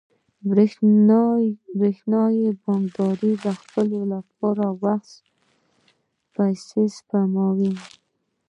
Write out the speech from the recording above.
برېښنايي بانکداري د خلکو لپاره وخت او پیسې سپموي.